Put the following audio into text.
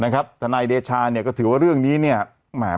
ทนายเดชาเนี่ยก็ถือว่าเรื่องนี้เนี่ยแหม